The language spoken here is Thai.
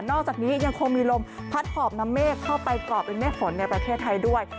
อกจากนี้ยังคงมีลมพัดหอบนำเมฆเข้าไปก่อเป็นเมฆฝนในประเทศไทยด้วย